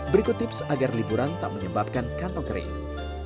berikut tips agar liburan tak menyebabkan kantong kering